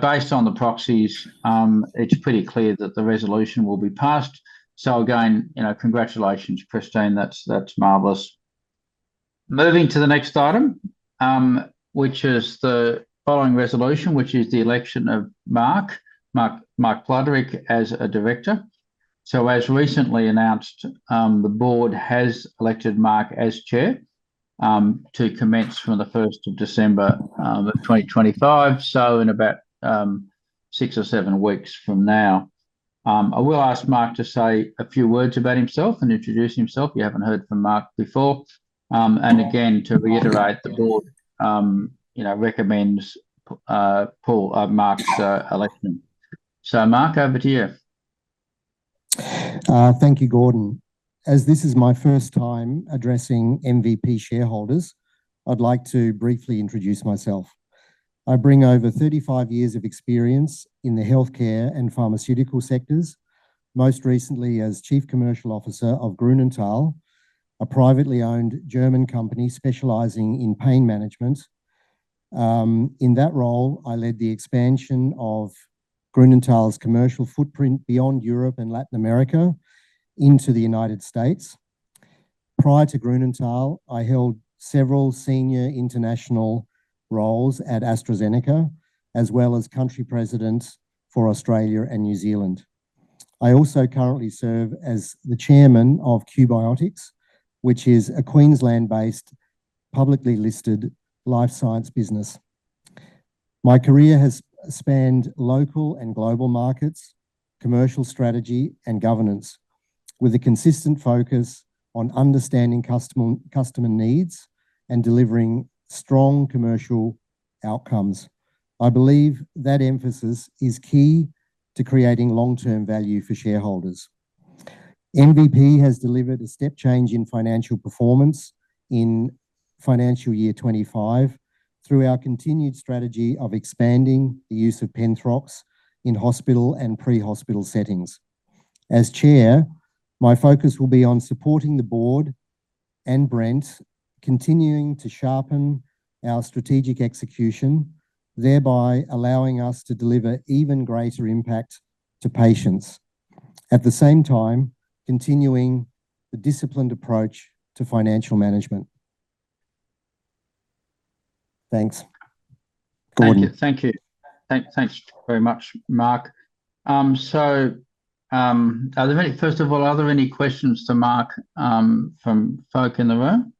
based on the proxies, it's pretty clear that the resolution will be passed. Again, you know, congratulations, Christine. That's, that's marvelous. Moving to the next item, which is the following resolution, which is the election of Mark, Mark, Mark Fladrich as a director. As recently announced, the board has elected Mark as chair to commence from the 1st of December 2025. In about 6 or 7 weeks from now. I will ask Mark to say a few words about himself and introduce himself. You haven't heard from Mark before. And again, to reiterate, the board, you know, recommends, Paul, Mark's election. Mark, over to you. Thank you, Gordon. As this is my first time addressing MVP shareholders, I'd like to briefly introduce myself. I bring over 35 years of experience in the healthcare and pharmaceutical sectors, most recently as Chief Commercial Officer of Grünenthal, a privately owned German company specializing in pain management. In that role, I led the expansion of Grünenthal's commercial footprint beyond Europe and Latin America into the United States. Prior to Grünenthal, I held several senior international roles at AstraZeneca, as well as country president for Australia and New Zealand. I also currently serve as the chairman of Qbiotics, which is a Queensland-based, publicly listed life science business. My career has spanned local and global markets, commercial strategy, and governance, with a consistent focus on understanding customer, customer needs and delivering strong commercial outcomes. I believe that emphasis is key to creating long-term value for shareholders. MVP has delivered a step change in financial performance in financial year 25 through our continued strategy of expanding the use of Penthrox in hospital and pre-hospital settings. As chair, my focus will be on supporting the board and Brent, continuing to sharpen our strategic execution, thereby allowing us to deliver even greater impact to patients, at the same time, continuing the disciplined approach to financial management. Thanks. Gordon. Thank you. Thanks very much, Mark. First of all, are there any questions to Mark from folk in the room?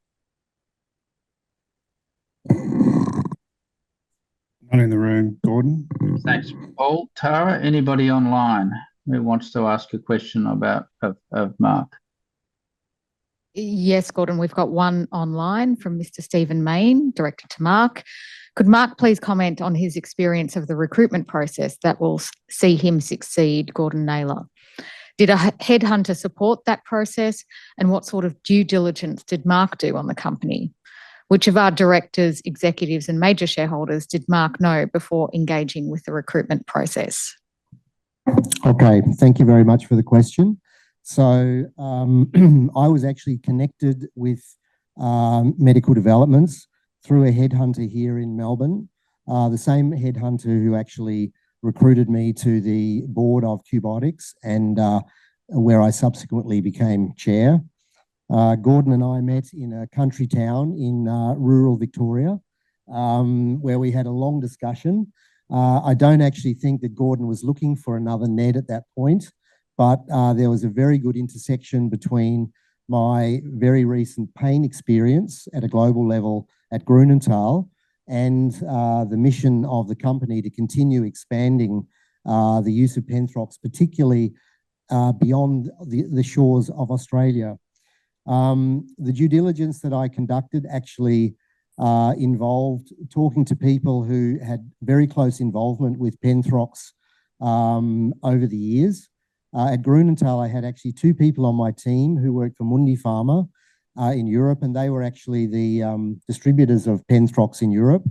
None in the room, Gordon. Thanks, Paul. Tara, anybody online who wants to ask a question of Mark? Yes, Gordon, we've got one online from Mr. Steven Main, directed to Mark. Could Mark please comment on his experience of the recruitment process that will see him succeed Gordon Naylor? Did a headhunter support that process, and what sort of due diligence did Mark do on the company? Which of our directors, executives, and major shareholders did Mark know before engaging with the recruitment process? Okay, thank you very much for the question. I was actually connected with Medical Developments through a headhunter here in Melbourne. The same headhunter who actually recruited me to the board of Qbiotics, and where I subsequently became chair. Gordon and I met in a country town in rural Victoria, where we had a long discussion. I don't actually think that Gordon was looking for another ned at that point, but there was a very good intersection between my very recent pain experience at a global level at Grünenthal and the mission of the company to continue expanding the use of Penthrox, particularly beyond the, the shores of Australia. The due diligence that I conducted actually involved talking to people who had very close involvement with Penthrox over the years. At Grünenthal, I had actually two people on my team who worked for Mundipharma in Europe, they were actually the distributors of Penthrox in Europe.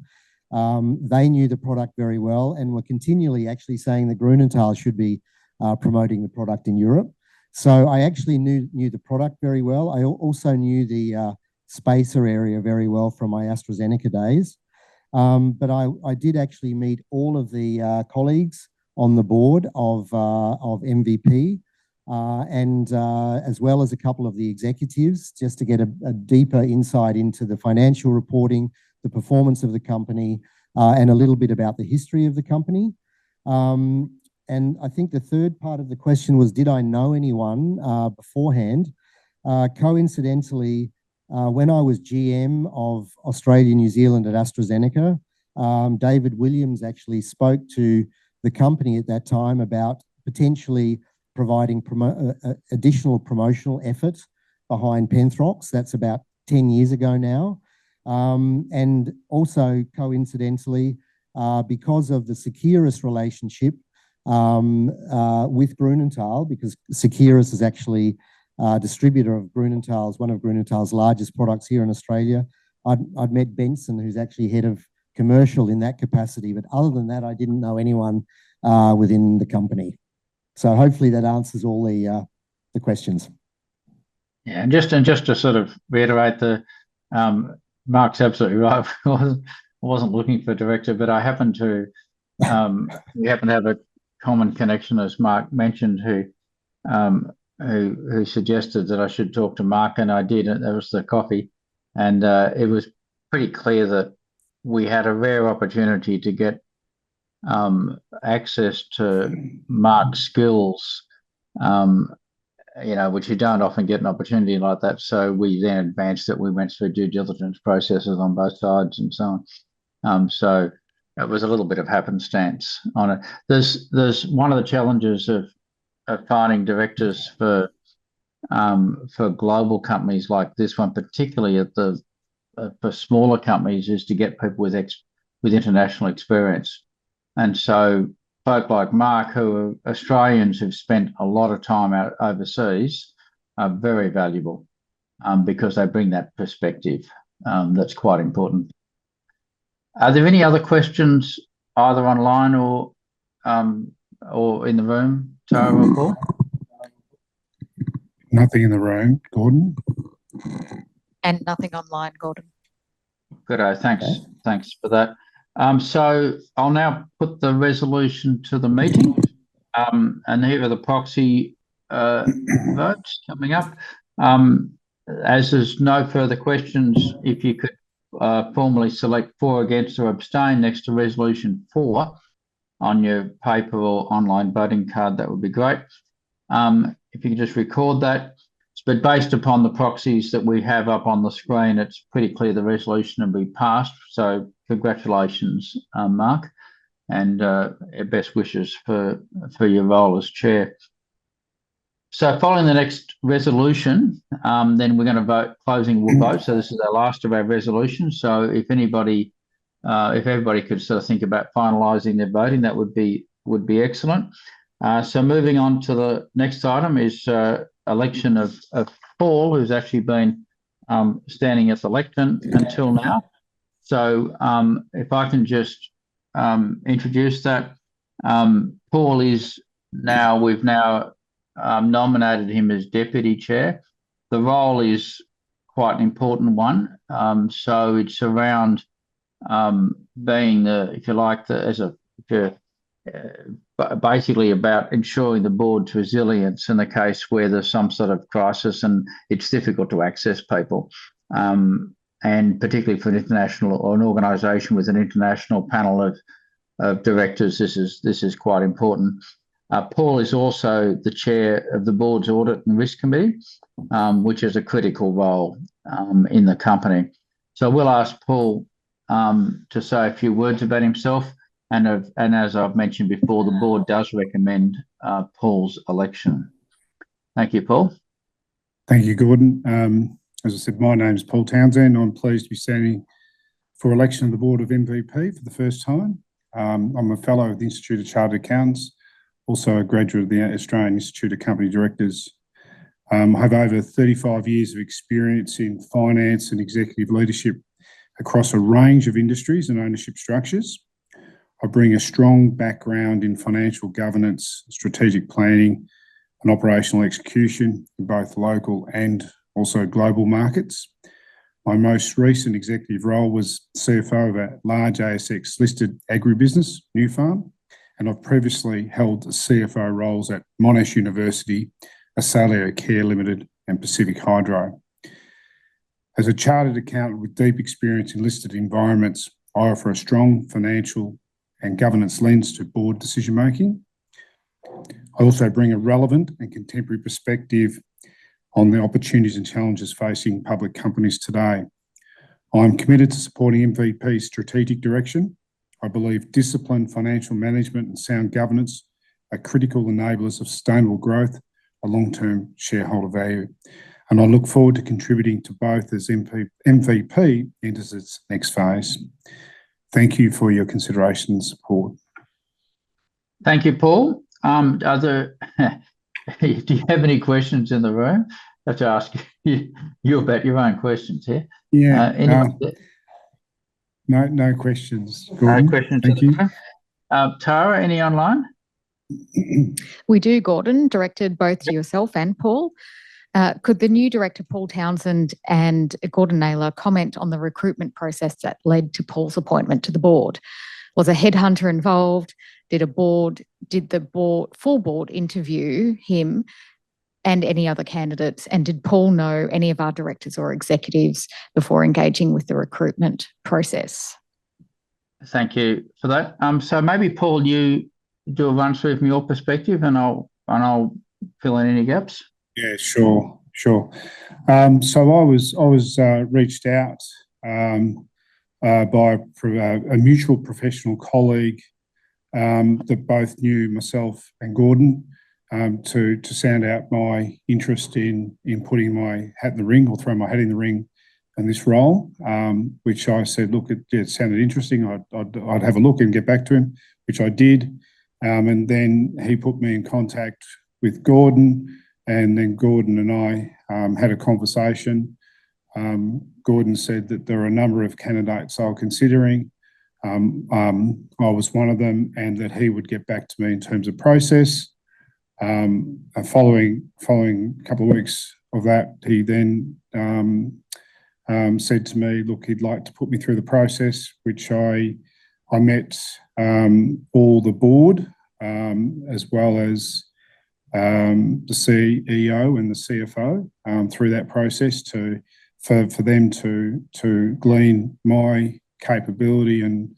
They knew the product very well and were continually actually saying that Grünenthal should be promoting the product in Europe. I actually knew, knew the product very well. I also knew the spacer area very well from my AstraZeneca days. I did actually meet all of the colleagues on the board of MVP, as well as a couple of the executives, just to get a deeper insight into the financial reporting, the performance of the company, and a little bit about the history of the company. I think the third part of the question was, did I know anyone beforehand? Coincidentally, when I was GM of Australia, New Zealand at AstraZeneca, David Williams actually spoke to the company at that time about potentially providing promo- additional promotional effort behind Penthrox. That's about 10 years ago now. Also coincidentally, because of the Seqirus relationship, with Grünenthal, because Seqirus is actually a distributor of Grünenthal, one of Grünenthal's largest products here in Australia. I'd met Benson, who's actually head of commercial in that capacity, but other than that, I didn't know anyone within the company. Hopefully that answers all the questions. Mark's absolutely right. I wasn't looking for a director, but we happened to have a common connection, as Mark mentioned, who suggested that I should talk to Mark, and I did, and that was the coffee. It was pretty clear that we had a rare opportunity to get access to Mark's skills, you know, which you don't often get an opportunity like that. We then advanced it. We went through due diligence processes on both sides and so on. It was a little bit of happenstance on it. There's one of the challenges of finding directors for global companies like this one, particularly for smaller companies, is to get people with international experience. So folk like Mark, who Australians have spent a lot of time out, overseas, are very valuable because they bring that perspective. That's quite important. Are there any other questions, either online or in the room, Tara or Paul? Nothing in the room, Gordon. Nothing online, Gordon. Good. Thanks. Thanks for that. I'll now put the resolution to the meeting. Here are the proxy votes coming up. There's no further questions, if you could formally select for, against, or abstain next to resolution 4 on your paper or online voting card, that would be great. If you could just record that. Based upon the proxies that we have up on the screen, it's pretty clear the resolution will be passed. Congratulations, Mark, and best wishes for your role as chair. Following the next resolution, we're gonna vote, closing vote. This is the last of our resolutions. If anybody, if everybody could sort of think about finalizing their voting, that would be, would be excellent. Moving on to the next item is election of Paul, who's actually been standing as elected until now. If I can just introduce that. Paul is now, we've now nominated him as deputy chair. The role is quite an important one. It's around being, if you like, basically about ensuring the board's resilience in the case where there's some sort of crisis and it's difficult to access people. Particularly for an international or an organization with an international panel of directors, this is quite important. Paul is also the chair of the board's Audit and Risk Committee, which is a critical role in the company. We'll ask Paul to say a few words about himself, and as, and as I've mentioned before, the board does recommend Paul's election. Thank you, Paul. Thank you, Gordon. As I said, my name is Paul Townsend. I'm pleased to be standing for election on the board of MDI for the first time. I'm a fellow of the Institute of Chartered Accountants, also a graduate of the Australian Institute of Company Directors. I have over 35 years of experience in finance and executive leadership across a range of industries and ownership structures. I bring a strong background in financial governance, strategic planning, and operational execution in both local and also global markets. My most recent executive role was CFO of a large ASX-listed agribusiness, Nufarm, and I've previously held CFO roles at Monash University, Asaleo Care Limited, and Pacific Hydro. As a chartered accountant with deep experience in listed environments, I offer a strong financial and governance lens to board decision-making. I also bring a relevant and contemporary perspective on the opportunities and challenges facing public companies today. I'm committed to supporting MVP's strategic direction. I believe disciplined financial management and sound governance are critical enablers of sustainable growth and long-term shareholder value, and I look forward to contributing to both as MVP enters its next phase. Thank you for your consideration and support. Thank you, Paul. Do you have any questions in the room? I have to ask you about your own questions here. Yeah. Uh, any- No, no questions, Gordon. No questions. Thank you. Tara, any online? We do, Gordon, directed both to yourself and Paul. Could the new director, Paul Townsend and Gordon Naylor, comment on the recruitment process that led to Paul's appointment to the board? Was a headhunter involved? Did the board, full board interview him and any other candidates, and did Paul know any of our directors or executives before engaging with the recruitment process? Thank you for that. Maybe, Paul, you do a run-through from your perspective, and I'll, and I'll fill in any gaps. Yeah, sure, sure. I was, I was reached out by, through a mutual professional colleague that both knew myself and Gordon, to sound out my interest in putting my hat in the ring or throwing my hat in the ring in this role. Which I said, look, it sounded interesting, I'd, I'd, I'd have a look and get back to him, which I did. He put me in contact with Gordon, and then Gordon and I had a conversation. Gordon said that there are a number of candidates I was considering, I was one of them, and that he would get back to me in terms of process. Following couple of weeks of that, he then said to me, "Look, he'd like to put me through the process," which I, I met all the board, as well as the CEO and the CFO, through that process to, for them to glean my capability and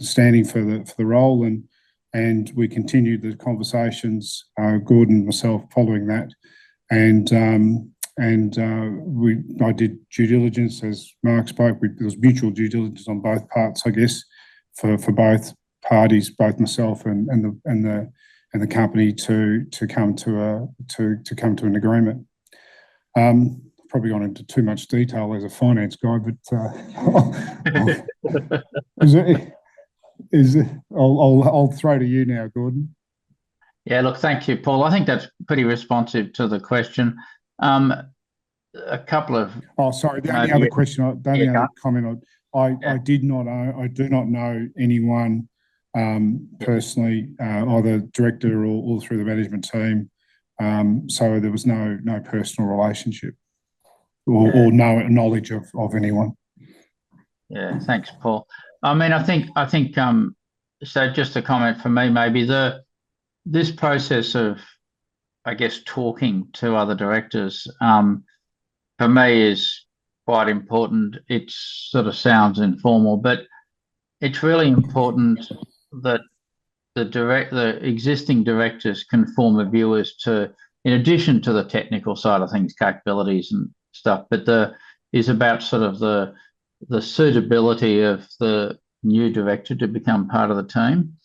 standing for the role, and we continued the conversations, Gordon, myself, following that. I did due diligence, as Mark spoke. We, there was mutual due diligence on both parts, I guess, for both parties, both myself and the company to come to an agreement. Probably gone into too much detail as a finance guy, I'll throw to you now, Gordon. Yeah. Look, thank you, Paul. I think that's pretty responsive to the question. Oh, sorry. Yeah. The other question, the other comment. Yeah... I, I did not, I do not know anyone, personally, or the director or all through the management team. There was no, no personal relationship or, or no knowledge of, of anyone. Yeah. Thanks, Paul. I mean, I think, I think, so just a comment from me maybe, this process of, I guess, talking to other directors, for me is quite important. It sort of sounds informal, but it's really important that the director, the existing directors can form a view as to, in addition to the technical side of things, capabilities and stuff, but is about sort of the, the suitability of the new director to become part of the team.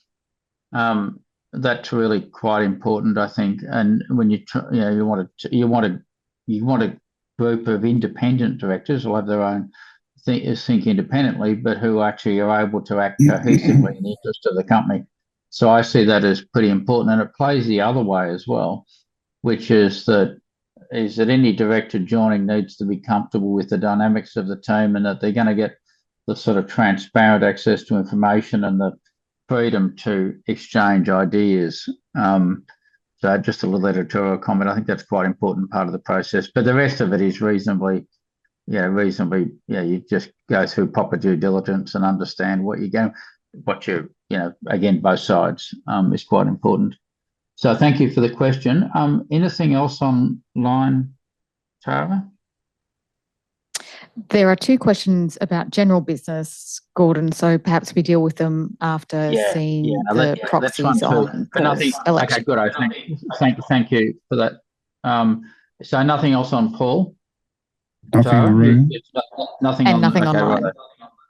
That's really quite important, I think, and when you're, you know, you want to, you want to, you want a group of independent directors who have their own think independently, but who actually are able to act- Yeah... cohesively in the interest of the company. I see that as pretty important, and it plays the other way as well, which is that, is that any director joining needs to be comfortable with the dynamics of the team, and that they're gonna get the sort of transparent access to information and the freedom to exchange ideas. Just a little editorial comment, I think that's quite an important part of the process, but the rest of it is reasonably, yeah, reasonably, yeah, you just go through proper due diligence and understand what you're going, what you, you know, again, both sides, is quite important. Thank you for the question. Anything else online, Tara? There are 2 questions about general business, Gordon, so perhaps we deal with them after. Yeah, yeah. seeing the proxies on election. Okay, good. I thank, thank, thank you for that. Nothing else on Paul? Nothing in the room. Nothing. Nothing online.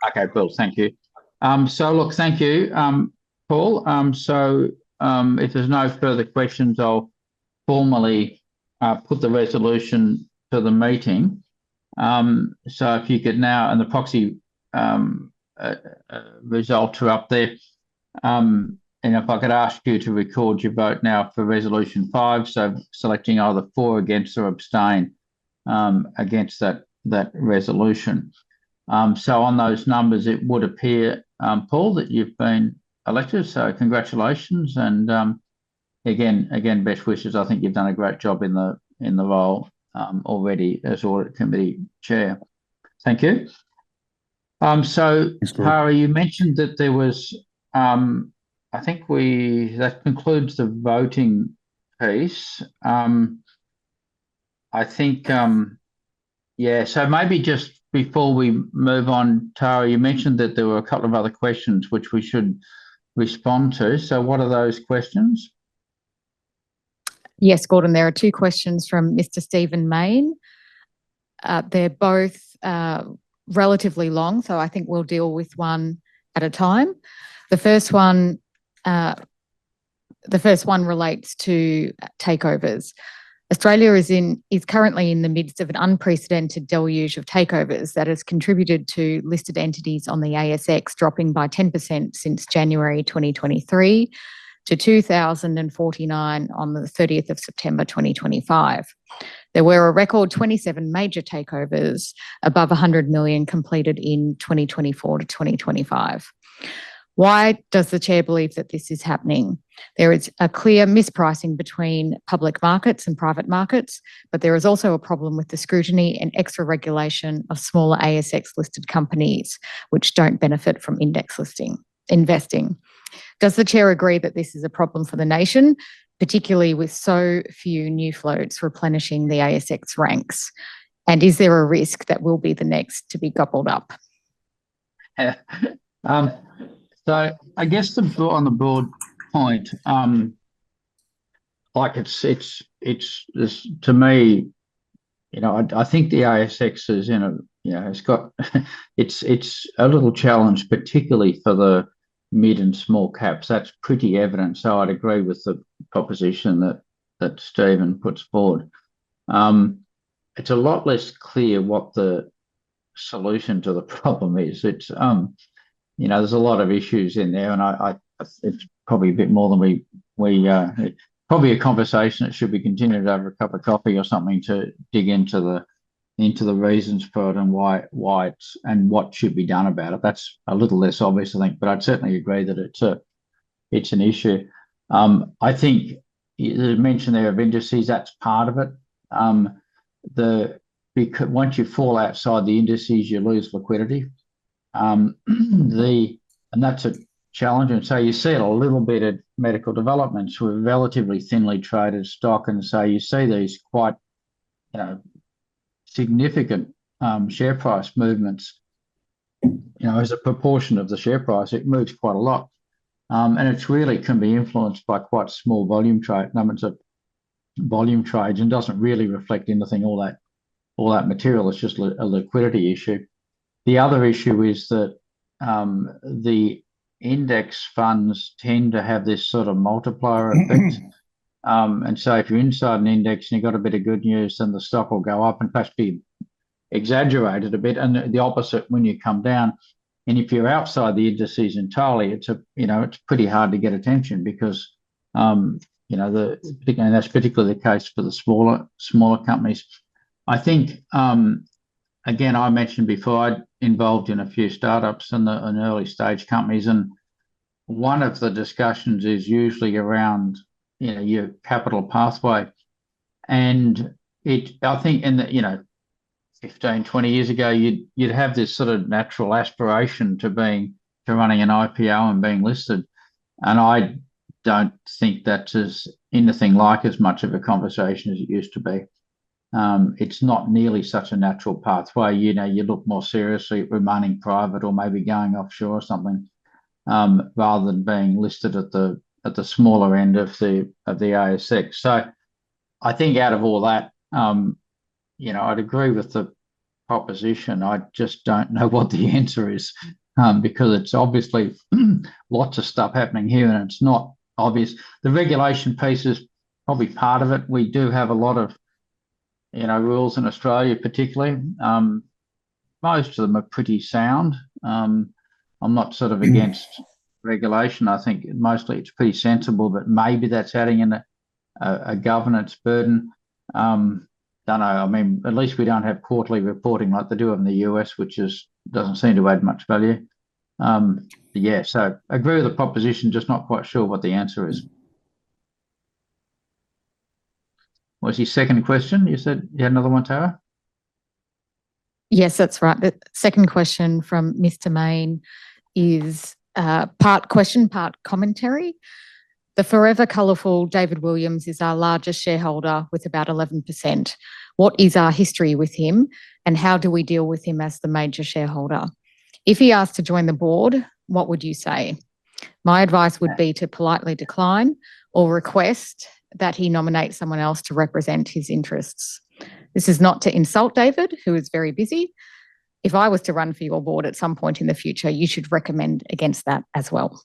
Okay, cool. Thank you. Thank you, Paul. If there's no further questions, I'll formally put the resolution to the meeting. If you could now, and the proxy result are up there, and if I could ask you to record your vote now for resolution 5, selecting either for, against, or abstain, against that, that resolution. On those numbers, it would appear, Paul, that you've been elected, so congratulations and again, again, best wishes. I think you've done a great job in the role already as Audit Committee Chair. Thank you. Thanks, Gordon.... Tara, you mentioned that there was, I think we, that concludes the voting piece. I think, so maybe just before we move on, Tara, you mentioned that there were a couple of other questions which we should respond to, so what are those questions?... Yes, Gordon, there are two questions from Mr. Steven Main. They're both, relatively long, so I think we'll deal with one at a time. The first one, the first one relates to takeovers. Australia is currently in the midst of an unprecedented deluge of takeovers that has contributed to listed entities on the ASX, dropping by 10% since January 2023 to 2,049 on the 30th of September, 2023. There were a record 27 major takeovers above 100 million completed in 2022-2023. Why does the Chair believe that this is happening? There is a clear mispricing between public markets and private markets. There is also a problem with the scrutiny and extra regulation of smaller ASX-listed companies, which don't benefit from index listing, investing. Does the Chair agree that this is a problem for the nation, particularly with so few new floats replenishing the ASX ranks? Is there a risk that we'll be the next to be gobbled up? I guess the, on the board point, To me, you know, I think the ASX is in a, you know, it's got a little challenged, particularly for the mid and small caps. That's pretty evident. I'd agree with the proposition that Steven Main puts forward. It's a lot less clear what the solution to the problem is. It's, you know, there's a lot of issues in there, and it's probably a bit more than we, we... It's probably a conversation that should be continued over a cup of coffee or something to dig into the, into the reasons for it and why, why it's, and what should be done about it. That's a little less obvious, I think, but I'd certainly agree that it's a, it's an issue. I think the mention there of indices, that's part of it. Once you fall outside the indices, you lose liquidity. That's a challenge. You see it a little bit at Medical Developments with relatively thinly traded stock, and so you see these quite significant share price movements. You know, as a proportion of the share price, it moves quite a lot. It really can be influenced by quite small volume trade, numbers of volume trades, and doesn't really reflect anything, all that, all that material. It's just a liquidity issue. The other issue is that the index funds tend to have this sort of multiplier effect. So if you're inside an index and you've got a bit of good news, then the stock will go up and perhaps be exaggerated a bit, and the, the opposite when you come down. If you're outside the indices entirely, it's a, you know, it's pretty hard to get attention because, you know, the, again, that's particularly the case for the smaller, smaller companies. I think, again, I mentioned before, I'm involved in a few start-ups and the, and early-stage companies, and one of the discussions is usually around, you know, your capital pathway. I think in the, you know, 15, 20 years ago, you'd, you'd have this sort of natural aspiration to being, to running an IPO and being listed, and I don't think that is anything like as much of a conversation as it used to be. It's not nearly such a natural pathway. You know, you look more seriously at remaining private or maybe going offshore or something, rather than being listed at the, at the smaller end of the ASX. I think out of all that, you know, I'd agree with the proposition. I just don't know what the answer is, because it's obviously, lots of stuff happening here, and it's not obvious. The regulation piece is probably part of it. We do have a lot of, you know, rules in Australia, particularly. Most of them are pretty sound. I'm not sort of against regulation. I think mostly it's pretty sensible, but maybe that's adding in a, a, a governance burden. Don't know. I mean, at least we don't have quarterly reporting like they do in the US, which doesn't seem to add much value. Yeah, agree with the proposition, just not quite sure what the answer is. What's your second question? You said you had another one, Tara? Yes, that's right. The second question from Mr. Main is part question, part commentary. "The forever colorful David Williams is our largest shareholder with about 11%. What is our history with him, and how do we deal with him as the major shareholder? If he asked to join the board, what would you say? My advice would be to politely decline or request that he nominate someone else to represent his interests. This is not to insult David, who is very busy. If I was to run for your board at some point in the future, you should recommend against that as well.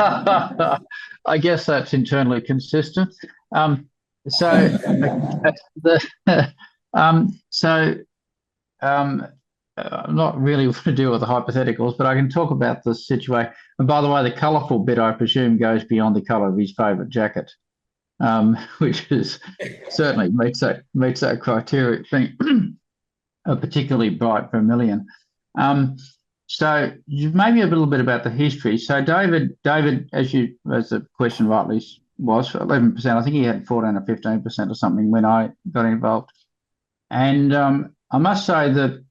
I guess that's internally consistent. So I'm not really familiar with the hypotheticals, but I can talk about the situation. And by the way, the colorful bit, I presume, goes beyond the color of his favorite jacket, which certainly meets that, meets that criteria, think, a particularly bright Vermilion. So maybe a little bit about the history. David, David, as you, as the question rightly, was 11%. I think he had 14% or 15% or something when I got involved. And, I must say that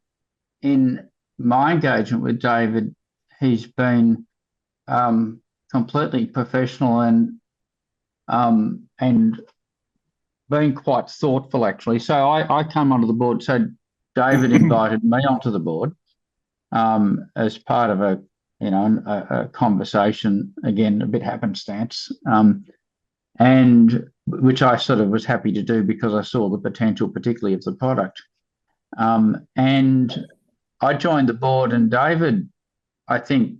in my engagement with David, he's been, completely professional and, and being quite thoughtful, actually. I, I come onto the board, so David invited me onto the board, as part of a, you know, a, a conversation, again, a bit happenstance. Which I sort of was happy to do because I saw the potential, particularly of the product. I joined the board, and David, I think,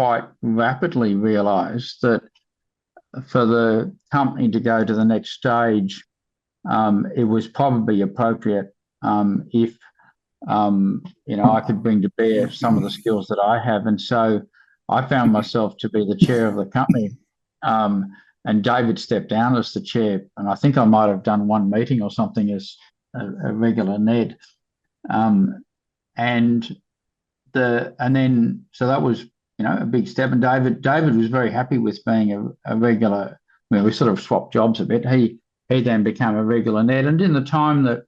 quite rapidly realized that for the company to go to the next stage, it was probably appropriate, if, you know, I could bring to bear some of the skills that I have. I found myself to be the chair of the company. David stepped down as the chair, and I think I might have done one meeting or something as a, a regular ned. That was, you know, a big step, and David, David was very happy with being a, a regular... Well, we sort of swapped jobs a bit. He then became a regular ned. In the time that,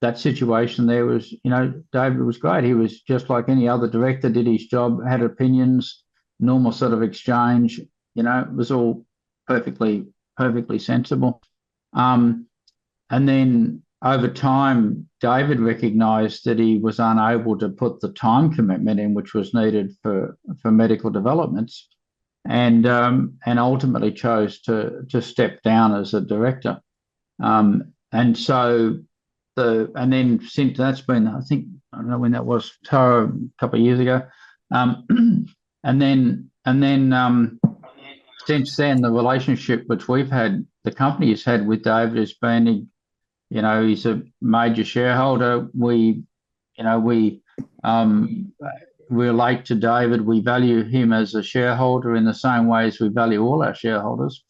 that situation there was, you know, David was great. He was just like any other director, did his job, had opinions, normal sort of exchange, you know, it was all perfectly, perfectly sensible. Then over time, David recognized that he was unable to put the time commitment in, which was needed for Medical Developments, and ultimately chose to step down as a director. Since that's been, I think, I don't know when that was, Tara, a couple of years ago. Since then, the relationship which we've had, the company has had with David has been, you know, he's a major shareholder. We, you know, we, we're like to David, we value him as a shareholder in the same way as we value all our shareholders.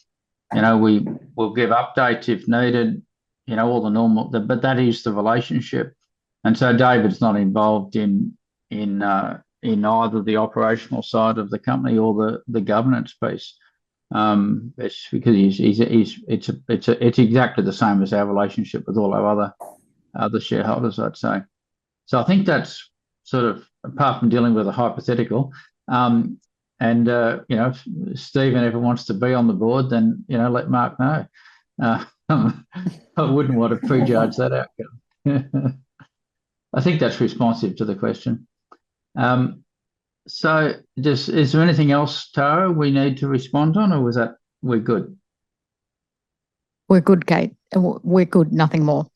You know, we will give updates if needed, you know, all the normal, but that is the relationship. David's not involved in, in either the operational side of the company or the, the governance piece. It's because he's, he's, he's, it's, it's exactly the same as our relationship with all our other, other shareholders, I'd say. I think that's sort of apart from dealing with a hypothetical, you know, if Steven ever wants to be on the board, then, you know, let Mark know. I wouldn't want to prejudge that outcome. I think that's responsive to the question. Is there anything else, Tara, we need to respond on, or was that, we're good? We're good, Kate. We're good, nothing more.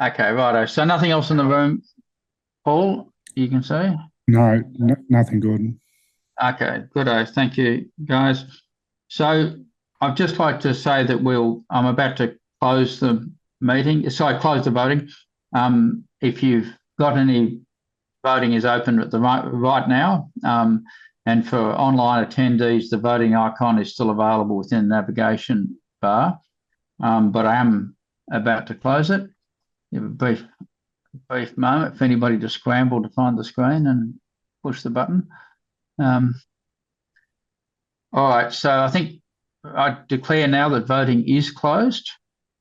Okay, righto. Nothing else in the room. Paul, you can say? No, no, nothing, Gordon. Okay, goodo. Thank you, guys. I'd just like to say that I'm about to close the meeting, sorry, close the voting. If you've got any, voting is open at the right now, and for online attendees, the voting icon is still available within the navigation bar, but I am about to close it. Give a brief, a brief moment for anybody to scramble to find the screen and push the button. All right, I think I declare now that voting is closed.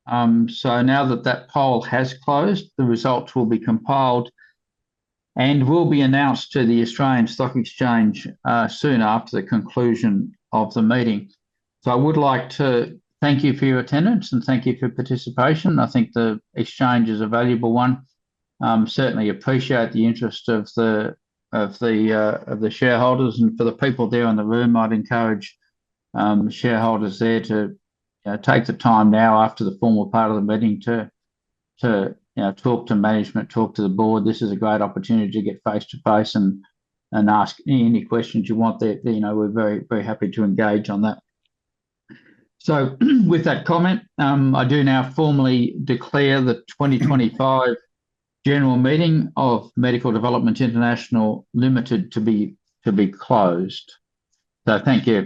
Now that that poll has closed, the results will be compiled and will be announced to the Australian Stock Exchange soon after the conclusion of the meeting. I would like to thank you for your attendance and thank you for your participation. I think the exchange is a valuable one. Certainly appreciate the interest of the, of the, of the shareholders, and for the people there in the room, I'd encourage shareholders there to take the time now after the formal part of the meeting to, to, you know, talk to management, talk to the board. This is a great opportunity to get face-to-face and, and ask any questions you want there. You know, we're very, very happy to engage on that. With that comment, I do now formally declare the 2025 general meeting of Medical Developments International Limited to be, to be closed. Thank you.